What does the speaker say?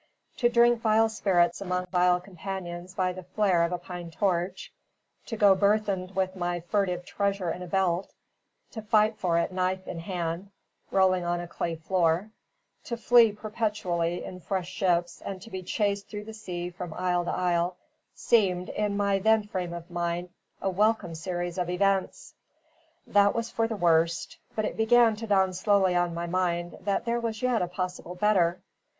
To drink vile spirits among vile companions by the flare of a pine torch; to go burthened with my furtive treasure in a belt; to fight for it knife in hand, rolling on a clay floor; to flee perpetually in fresh ships and to be chased through the sea from isle to isle, seemed, in my then frame of mind, a welcome series of events. That was for the worst; but it began to dawn slowly on my mind that there was yet a possible better.